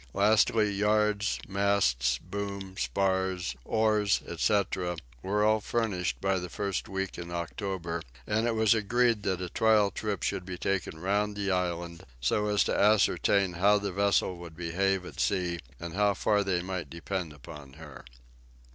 Lastly, yards, masts, boom, spars, oars, etc., were all furnished by the first week in October, and it was agreed that a trial trip should be taken round the island, so as to ascertain how the vessel would behave at sea, and how far they might depend upon her.